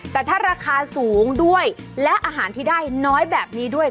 แต่ถ้าราคาสูงด้วยและอาหารที่ได้น้อยแบบนี้ด้วย